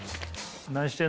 何してんの？